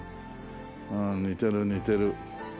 うん似てる似てる。